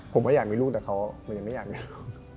ผมก็อยากมีลูกแต่เขาไม่อยากมีลูก